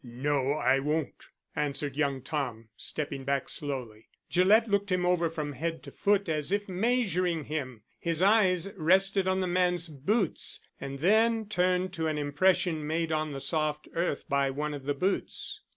"No, I won't," answered young Tom, stepping back slowly. Gillett looked him over from head to foot as if measuring him. His eyes rested on the man's boots, and then turned to an impression made on the soft earth by one of the boots.